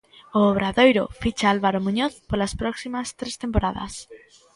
O Obradoiro ficha a Álvaro Muñoz polas próximas tres temporadas.